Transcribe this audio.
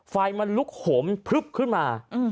ไฟมันลุกโหมพลึบขึ้นมา